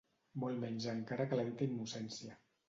Molt menys encara que la dita innocència.